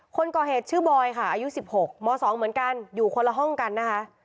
คนก่อเหตุชื่อบอยค่ะอายุ๑๖ม๒เหมือนกันอยู่คนละห้องกันนะคะ